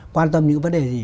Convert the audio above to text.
quan tâm những vấn đề gì